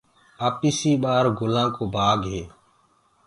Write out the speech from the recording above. آپيسي ٻآهر گُلآن بآگ هي